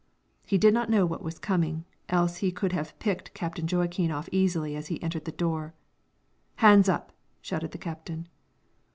He did not know what was coming, else he could have picked Captain Joaquin off easily as he entered the door. "Hands up!" shouted the captain.